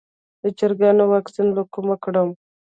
د چرګانو واکسین له کومه کړم؟